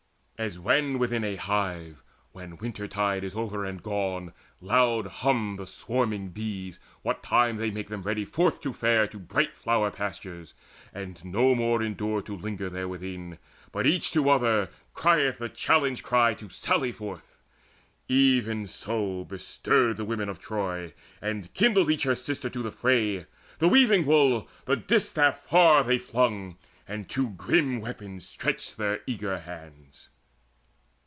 As when within a hive, when winter tide Is over and gone, loud hum the swarming bees What time they make them ready forth to fare To bright flower pastures, and no more endure To linger therewithin, but each to other Crieth the challenge cry to sally forth; Even so bestirred themselves the women of Troy, And kindled each her sister to the fray. The weaving wool, the distaff far they flung, And to grim weapons stretched their eager hands.